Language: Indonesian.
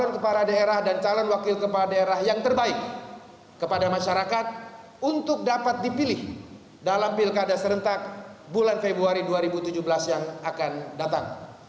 kepala daerah yang terbaik kepada masyarakat untuk dapat dipilih dalam pilkada serentak bulan februari dua ribu tujuh belas yang akan datang